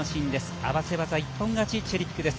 合わせ技一本勝ちチェリックです。